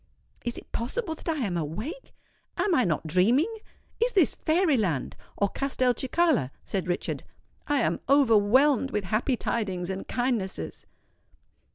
"Is it possible that I am awake? am I not dreaming? is this fairy land, or Castelcicala?" said Richard. "I am overwhelmed with happy tidings and kindnesses."